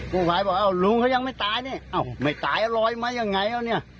ผู้ภัยบอกอ้าวลุงเขายังไม่ตายเนี่ยอ้าวไม่ตายเอาลอยมายังไงเอาเนี่ย